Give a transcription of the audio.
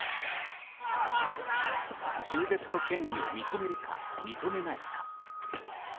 中絶の権利を認めるか認めないか。